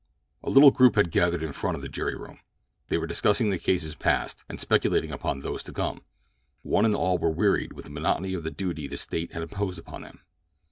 A little group had gathered in the front of the jury room. They were discussing the cases passed, and speculating upon those to come. One and all were wearied with the monotony of the duty the State had imposed upon them.